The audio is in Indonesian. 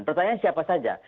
pertanyaannya siapa saja